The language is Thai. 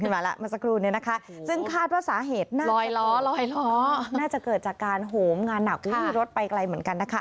มาแล้วเมื่อสักครู่นี้นะคะซึ่งคาดว่าสาเหตุน่าจะเกิดจากการโหมงานหนักรถไปไกลเหมือนกันนะคะ